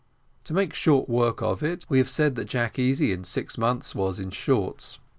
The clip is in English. To make short work of it, we have said that Jack Easy in six months was in shorts.